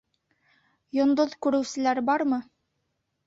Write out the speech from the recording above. Йондоҙ күреүселәр бармы?